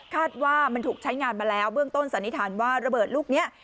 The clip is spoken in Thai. คาดว่ามันถูกใช้งานมาแล้วเบื้องต้นสันนิษฐานว่าระเบิดลูกนี้